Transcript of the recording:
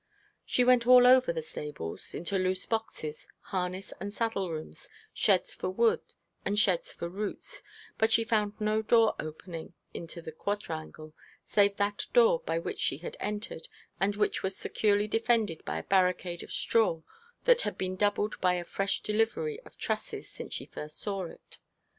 She went all over the stables into loose boxes, harness and saddle rooms, sheds for wood, and sheds for roots, but she found no door opening into the quadrangle, save that door by which she had entered, and which was securely defended by a barricade of straw that had been doubled by a fresh delivery of trusses since she first saw it.